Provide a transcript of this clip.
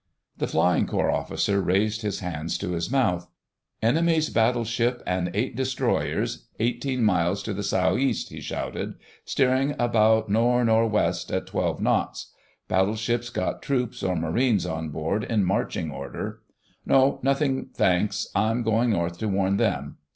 The Flying Corps Officer raised his hands to his mouth: "Enemy's Battleship and eight Destroyers, eighteen miles to the Sou' East," he shouted. "Steering about Nor' Nor' West at 12 knots. Battleship's got troops or Marines on board in marching order.... No, nothing, thanks—I'm going north to warn them.